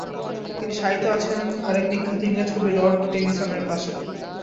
তিনি শায়িত আছেন আর এক বিখ্যাত ইংরেজ কবি লর্ড টেনিসনের পাশে।